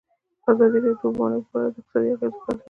ازادي راډیو د د اوبو منابع په اړه د اقتصادي اغېزو ارزونه کړې.